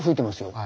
はい。